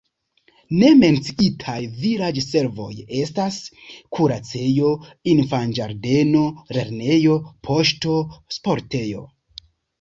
Ne menciitaj vilaĝservoj estas kuracejo, infanĝardeno, lernejo, poŝto, sportejo.